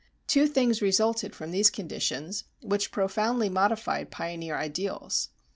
Two things resulted from these conditions, which profoundly modified pioneer ideals.